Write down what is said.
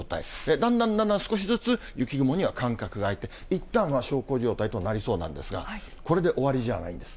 だんだんだんだん少しずつ雪雲には間隔が開いて、いったんは小康状態となりそうなんですが、これで終わりじゃないんです。